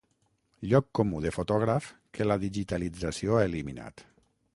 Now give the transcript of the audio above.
Lloc comú de fotògraf que la digitalització ha eliminat.